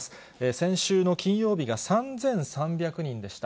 先週の金曜日が３３００人でした。